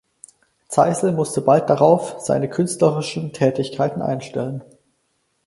Zeisel musste bald darauf seine künstlerischen Tätigkeiten einstellen.